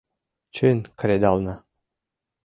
Чын, кредална.